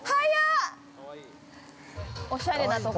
おしゃれなとこ。